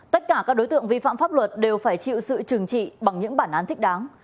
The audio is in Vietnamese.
tất cả các đối tượng vi phạm pháp luật đều phải chịu sự trừng trị bằng những bản án thích đáng